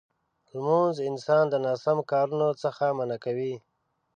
لمونځ انسان د ناسم کارونو څخه منع کوي.